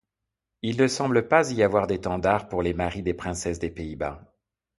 Il ne semble pas y avoir d'étendard pour les maris des princesses des Pays-Bas.